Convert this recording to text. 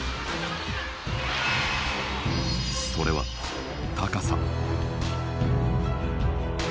それは高さ。